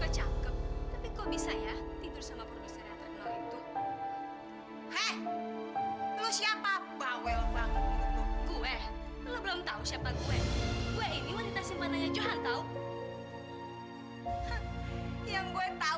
sampai jumpa di video selanjutnya